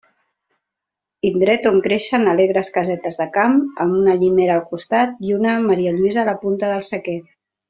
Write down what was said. Indret on creixen alegres casetes de camp, amb una llimera al costat i una marialluïsa a la punta del sequer.